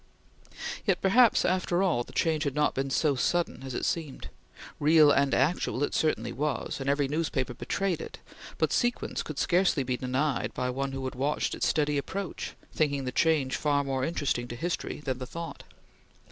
Yet, perhaps, after all, the change had not been so sudden as it seemed. Real and actual, it certainly was, and every newspaper betrayed it, but sequence could scarcely be denied by one who had watched its steady approach, thinking the change far more interesting to history than the thought.